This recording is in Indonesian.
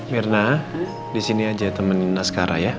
mirna disini aja temenin naskara ya